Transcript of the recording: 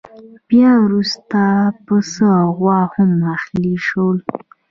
بیا وروسته پسه او غوا هم اهلي شول.